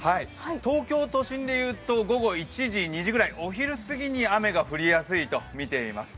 東京都心で言うと、午後１時、２時ぐらい、お昼過ぎに雨が降りやすいとみています。